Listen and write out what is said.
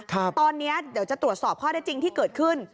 ตอนนี้เดี๋ยวจะตรวจสอบข้อได้จริงที่เกิดขึ้น